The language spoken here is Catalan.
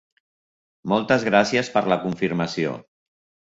Moltes gràcies per la confirmació.